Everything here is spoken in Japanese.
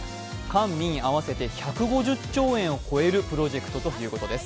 官民合わせて１５０兆円を超えるプロジェクトということです。